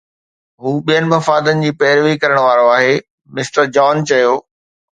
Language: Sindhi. هو ٻين مفادن جي پيروي ڪرڻ وارو آهي، مسٽر جان چيو